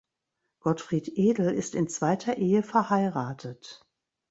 Gottfried Edel ist in zweiter Ehe verheiratet.